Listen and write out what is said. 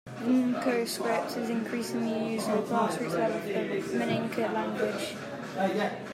The N'Ko script is increasingly used on a grassroots level for the Maninka language.